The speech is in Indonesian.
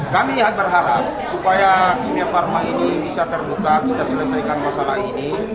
kami berharap supaya dunia farma ini bisa terbuka kita selesaikan masalah ini